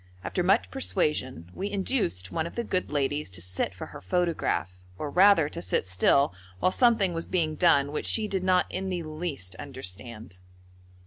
After much persuasion we induced one of the good ladies to sit for her photograph, or rather to sit still while something was being done which she did not in the least understand.